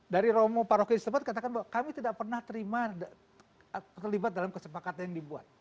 dari romo paroki sempat katakan bahwa kami tidak pernah terlibat dalam kesepakatan yang dibuat